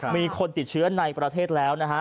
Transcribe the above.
มีคนติดเชื้อในประเทศแล้วนะฮะ